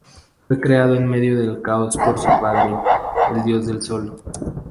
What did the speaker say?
Fue creado en medio del caos por su padre, el dios del sol.